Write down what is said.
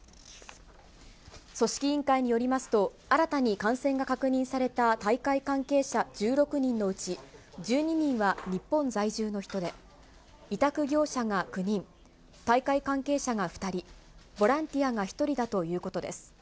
組織委員会によりますと、新たに感染が確認された大会関係者１６人のうち、１２人は日本在住の人で、委託業者が９人、大会関係者が２人、ボランティアが１人だということです。